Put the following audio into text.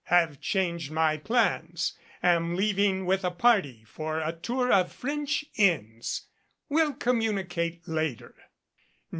"Have changed my plans. Am leaving with a party for a tour of French Inns. Will communicate later."